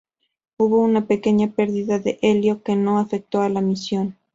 Hubo una pequeña perdida de helio que no afecto a la misión.